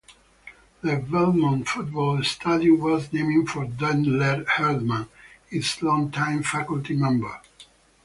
The Belmont football stadium was named for Dentler Erdmann, its long-time faculty member.